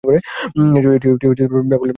এটি ব্যাবিলনীয় পণ্ডিতদের রচনা।